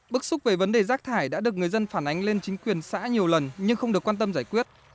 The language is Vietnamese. bức xúc về vấn đề rác thải đã được người dân phản ánh lên chính quyền xã nhiều lần nhưng không được quan tâm giải quyết